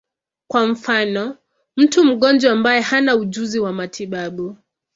Kwa mfano, mtu mgonjwa ambaye hana ujuzi wa matibabu.